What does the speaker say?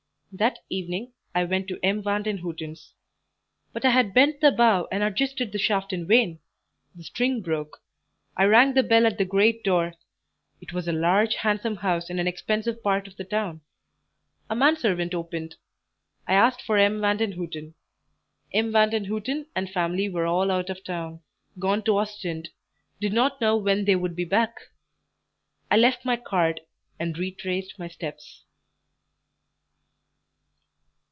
That evening I went to M. Vandenhuten's; but I had bent the bow and adjusted the shaft in vain; the string broke. I rang the bell at the great door (it was a large, handsome house in an expensive part of the town); a manservant opened; I asked for M. Vandenhuten; M. Vandenhuten and family were all out of town gone to Ostend did not know when they would be back. I left my card, and retraced my steps.